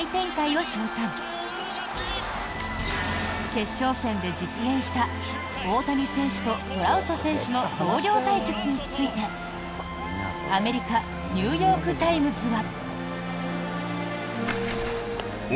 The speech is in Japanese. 決勝戦で実現した大谷選手とトラウト選手の同僚対決についてアメリカニューヨーク・タイムズは。